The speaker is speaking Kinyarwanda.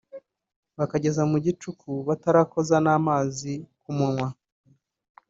bakageza mu gicuku batarakoza n’amazi ku munwa